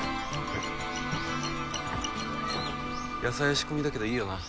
野菜は仕込みだけどいいよな？